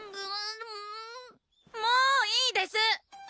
もういいです！